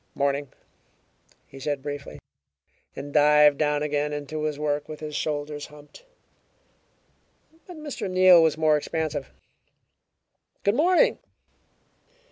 "Morning!" he said briefly, and dived down again into his work, with his shoulders humped. But Mr. Neal was more expansive. "Good morning!"